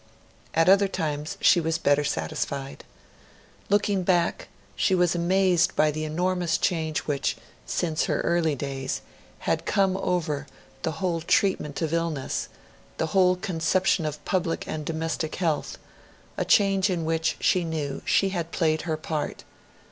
At other times, she was better satisfied. Looking back, she was amazed by the enormous change which, since her early days, had come over the whole treatment of illness, the whole conception of public and domestic health a change in which, she knew, she had played her part.